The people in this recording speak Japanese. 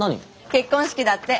結婚式だって。